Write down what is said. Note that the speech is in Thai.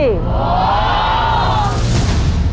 โห